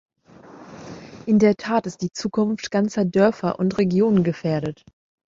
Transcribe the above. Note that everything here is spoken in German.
In der Tat ist die Zukunft ganzer Dörfer und Regionen gefährdet.